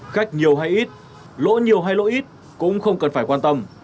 khách nhiều hay ít lỗ nhiều hay lỗi ít cũng không cần phải quan tâm